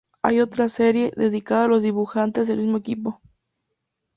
Hay otra serie, dedicada a los dibujantes, del mismo equipo.